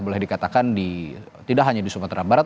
boleh dikatakan tidak hanya di sumatera barat